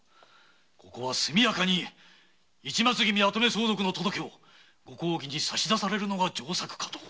ここは速やかに市松君の跡目相続の届けをご公儀に差し出されるのが上策かと。